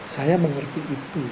saya mengerti itu